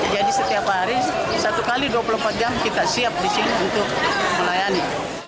jadi setiap hari satu kali dua puluh empat jam kita siap disini untuk melayani